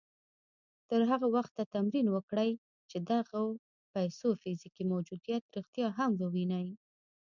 تر هغه وخته تمرين وکړئ چې د دغو پيسو فزيکي موجوديت رښتيا هم ووينئ.